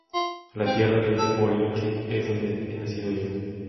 La tierra de Borinquén es donde he nacido yo